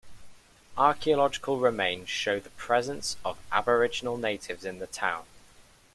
Archaeological remains show the presence of aboriginal natives in the town.